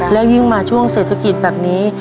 แล้วยิ่งมาช่วงเศรษฐกิจแบบนี้